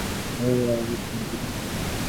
কেন আমাদের মানুষের সাথে ভালো সম্পর্ক থাকতে হবে?